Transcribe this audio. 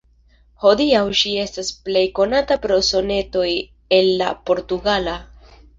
Hodiaŭ ŝi estas plej konata pro "Sonetoj el la Portugala".